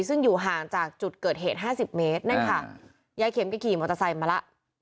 ซึ่งอยู่ห่างจากจุดเกิดเหตุ๕๐เมตรนั่นค่ะยายเข็มก็ขี่มอเตอร์ไซค์มาแล้ว